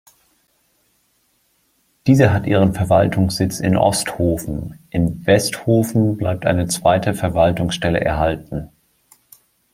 Diese hat ihren Verwaltungssitz in Osthofen, in Westhofen bleibt eine zweite Verwaltungsstelle erhalten.